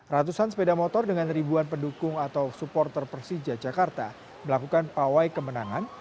ratusan sepeda motor dengan ribuan pendukung atau supporter persija jakarta melakukan pawai kemenangan